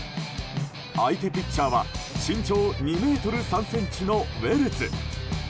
相手ピッチャーは身長２ｍ３ｃｍのウェルズ。